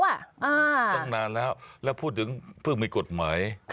ตั้งนานแล้วแล้วพูดถึงเพิ่งมีกฎหมาย